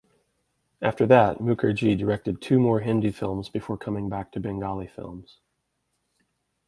After that Mukherjee directed two more Hindi films before coming back to Bengali films.